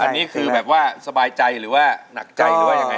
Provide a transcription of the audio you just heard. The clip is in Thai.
อันนี้คือสบายใจหรือว่านักใจ